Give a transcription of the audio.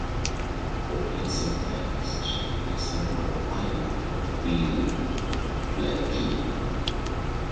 For its entire history, its Member of Parliament was Bill Blaikie.